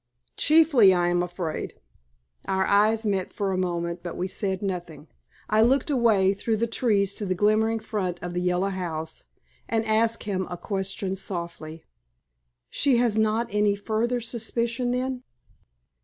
"Chiefly, I am afraid." Our eyes met for a moment, but we said nothing. I looked away through the trees to the glimmering front of the Yellow House, and asked him a question softly. "She has not any further suspicion, then?"